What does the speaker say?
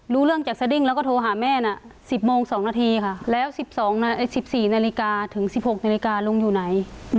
รู้เรื่องจากสดิ้งแล้วก็โทรหาแม่น่ะ๑๐โมง๒นาทีค่ะแล้ว๑๔นาฬิกาถึง๑๖นาฬิกาลุงอยู่ไหน